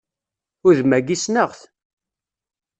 Udem-agi, ssneɣ-t!